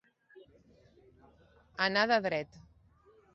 Anar de dret.